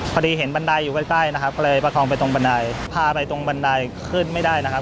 พอดีเห็นบันไดอยู่ใกล้ใกล้นะครับก็เลยประคองไปตรงบันไดพาไปตรงบันไดขึ้นไม่ได้นะครับ